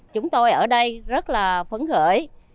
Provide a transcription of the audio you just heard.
chúng tôi ở đây rất là phấn hỡi